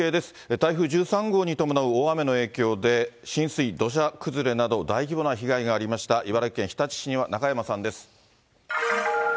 台風１３号に伴う大雨の影響で、浸水、土砂崩れなど、大規模な被害がありました、茨城県日立市には中山さんです。